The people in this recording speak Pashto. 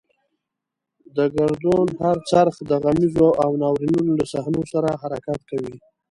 د ګردون هر څرخ د غمیزو او ناورینونو له صحنو سره حرکت کوي.